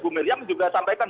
bu miriam juga sampaikan